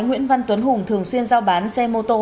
nguyễn văn tuấn hùng thường xuyên giao bán xe mô tô